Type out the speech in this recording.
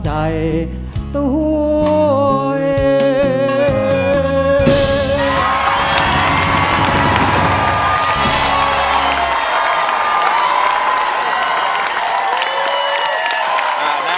จริงหรือเปล่า